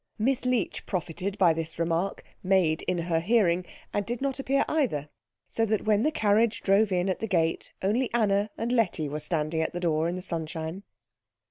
Miss Leech profited by this remark, made in her hearing, and did not appear either; so that when the carriage drove in at the gate only Anna and Letty were standing at the door in the sunshine.